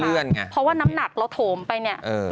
เพราะว่าน้ำหนักเราโถมไปเนี่ย